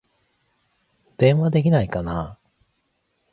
電話できないかな